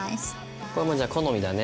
これもうじゃあ好みだね。